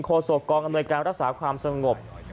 โคศกองธ์อำนวยการรักษาภาพสงบ